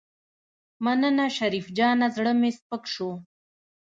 مننه شريف جانه زړه مې سپک شو.